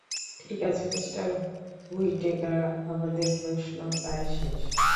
ঠিক আছে, মিঃ হুইটেকার, আমাদের প্রশ্ন প্রায় শেষ।